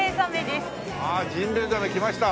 ああジンベエザメ来ました。